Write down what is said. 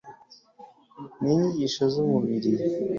ninyigisho z umubiri